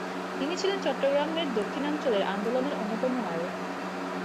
তিনি ছিলেন চট্টগ্রামের দক্ষিণাঞ্চলের আন্দোলনের অন্যতম নায়ক।